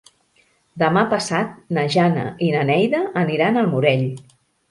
Demà passat na Jana i na Neida aniran al Morell.